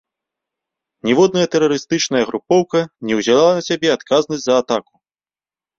Ніводная тэрарыстычная групоўка не ўзяла на сябе адказнасць за атаку.